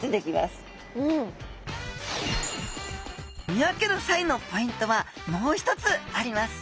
見分けるさいのポイントはもう一つあります。